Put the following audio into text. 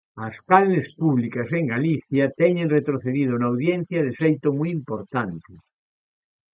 As canles públicas en Galicia teñen retrocedido na audiencia de xeito moi importante.